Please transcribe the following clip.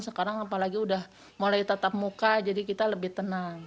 sekarang apalagi udah mulai tetap muka jadi kita lebih tenang